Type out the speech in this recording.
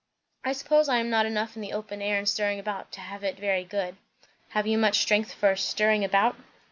"I suppose I am not enough in the open air and stirring about, to have it very good." "Have you much strength for 'stirring about'?"